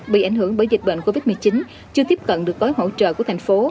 bị ảnh hưởng bởi dịch bệnh covid một mươi chín chưa tiếp cận được gói hỗ trợ của thành phố